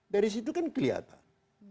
dari situ kan kelihatan